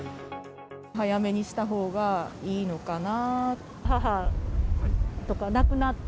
早めにしたほうがいいのかなって。